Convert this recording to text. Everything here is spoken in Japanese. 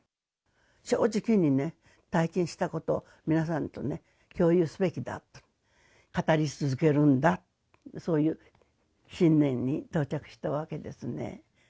正直にね、体験したことを皆さんとね、共有すべきだ、語り続けるんだ、そういう信念に到着したわけですね。